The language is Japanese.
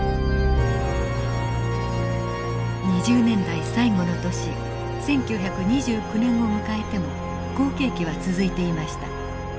２０年代最後の年１９２９年を迎えても好景気は続いていました。